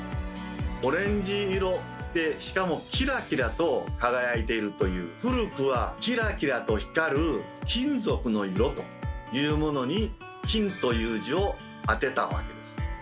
オレンジ色でしかもキラキラと輝いているという古くはキラキラと光る「金属の色」というものに「金」という字をあてたわけです。